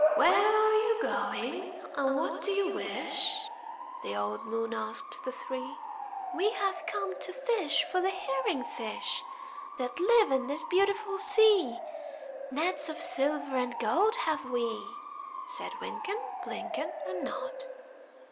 "Where are you going, and what do you wish?" The old moon asked the three. "We have come to fish for the herring fish That live in this beautiful sea; Nets of silver and gold have we," Said Wynken, Blynken, And Nod.